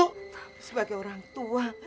tapi sebagai orang tua